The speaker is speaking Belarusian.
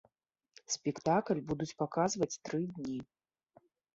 Спектакль будуць паказваць тры дні.